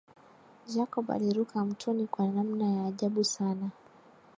Jacob aliruka mtoni kwa namna ya ajabu sana